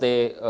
di jawa barat